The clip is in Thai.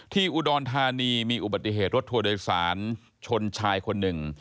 อุดรธานีมีอุบัติเหตุรถทัวร์โดยสารชนชายคนหนึ่ง